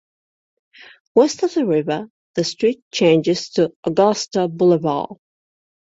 West of the river, the street changes to Augusta Boulevard.